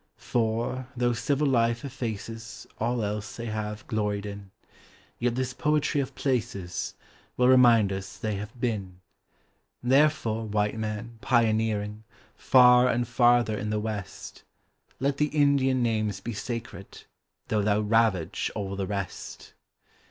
For, though civil life effaces All else they have gloried in, Yet this poetry of places Will remind us they have been : MINNEHAHA. Therefore, white man, pioneering Far and farther in the west, Let the Indian names be sacred, Though thou ravage all the rest.